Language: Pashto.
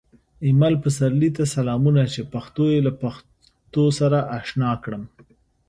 ایمل پسرلي ته سلامونه چې پښتو یې له پښتو سره اشنا کړم